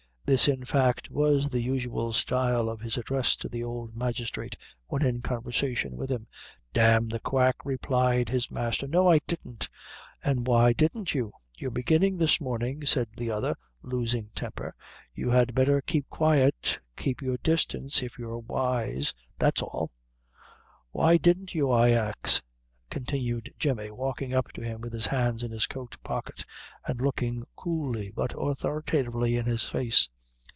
This, in fact, was the usual style of his address to the old magistrate, when in conversation with him. "Damn the quack!" replied his master: "no, I didn't." "An' why didn't you?" "You're beginning this morning," said the other, losing temper. "You had better keep quiet, keep your distance, if you're wise that's all." "Why didn't you, I ax," continued Jemmy, walking up to him, with his hands in his coat pocket, and looking coolly, but authoritatively in his face.